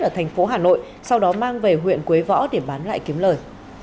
ở thành phố hà nội sau đó mang về huyện quế võ để bán lại kiếm lời